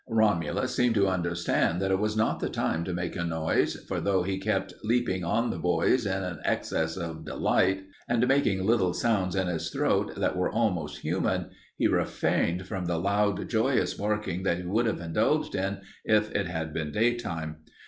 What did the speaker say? Romulus seemed to understand that it was not the time to make a noise, for though he kept leaping on the boys in an access of delight and making little sounds in his throat that were almost human, he refrained from the loud, joyous barking that he would have indulged in if it had been daytime.